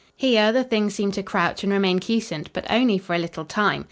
Here the thing seemed to crouch and remain quiescent, but only for a little time.